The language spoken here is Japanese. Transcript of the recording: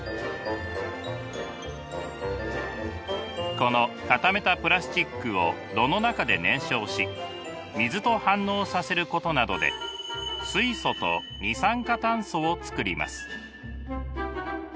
この固めたプラスチックを炉の中で燃焼し水と反応させることなどで水素と二酸化炭素を作ります。